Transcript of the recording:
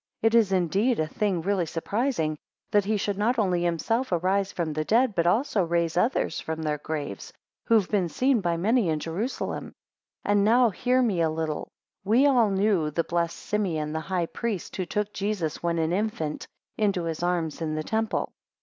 14 It is indeed a thing really surprising, that he should not only himself arise from the dead, but also raise others from their graves, who have been seen by many in Jerusalem. 15 And now hear me a little We all knew the blessed Simeon, the high priest, who took Jesus when an infant into his arms in the temple.